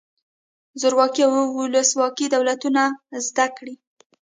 زورواکي او ولسواکي دولتونه زده کړئ.